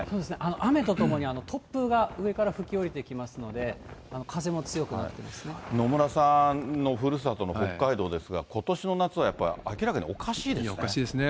雨とともに突風が上から吹き下りてきますので、風も強くなっ野村さんのふるさとの北海道ですが、ことしの夏はやっぱり明らかにおかしいですね。